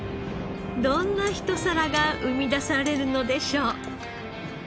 どんなひと皿が生み出されるのでしょう？